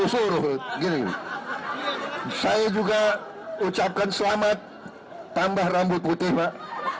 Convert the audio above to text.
saya juga ucapkan selamat tambah rambut putih pak